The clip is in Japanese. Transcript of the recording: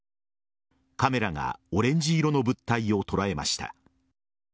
カメラがオレンジ色の物体を捉えました。